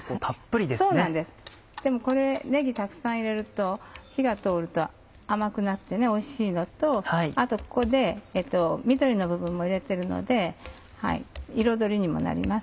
でもこれねぎたくさん入れると火が通ると甘くなっておいしいのとあとここで緑の部分も入れてるので彩りにもなります。